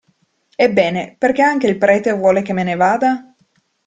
Ebbene, perché anche il prete vuole che me ne vada?